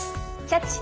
「キャッチ！